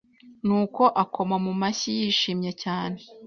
nuko akoma mumashyi yishimye cyane